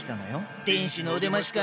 天使のお出ましか。